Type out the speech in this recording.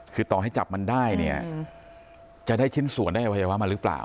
คือต่อให้จับมันได้จะได้ชิ้นส่วนได้ไว้ว่ามันหรือเปล่า